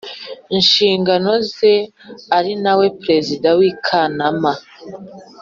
nshingano ze ari na we Perezida w akanama